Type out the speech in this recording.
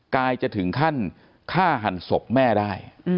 กายจะถึงขั้นฆ่าหันศพแม่ได้